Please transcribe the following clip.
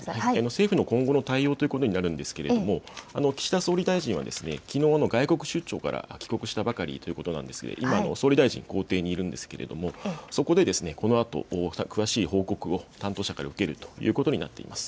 政府の今後の対応ということになるんですが岸田総理大臣はきのうの外国出張から帰国したばかりということなんですが今、総理大臣公邸にいるんですけどそこでこのあと詳しい報告を担当者から受けるということになっています。